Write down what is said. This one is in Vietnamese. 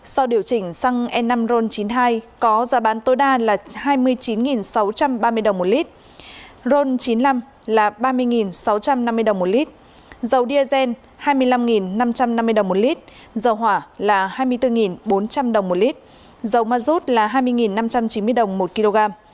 sau điều chỉnh xăng e năm ron chín mươi hai có giá bán tối đa là hai mươi chín sáu trăm ba mươi đồng một lít ron chín mươi năm là ba mươi sáu trăm năm mươi đồng một lít dầu diesel hai mươi năm năm trăm năm mươi đồng một lít dầu hỏa là hai mươi bốn bốn trăm linh đồng một lít dầu ma rút là hai mươi năm trăm chín mươi đồng một kg